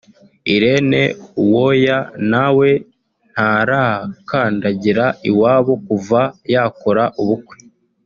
Irene Uwoya na we ntarakandagira iwabo kuva yakora ubukwe